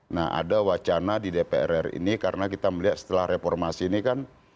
nah ada wacana di dpr ri ini karena kita melihat setelah reformasi ini kan